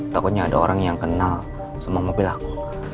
takutnya ada orang yang kenal sama mobil aku